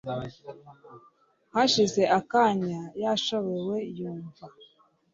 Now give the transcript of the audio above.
hashize akanya yashobewe yumva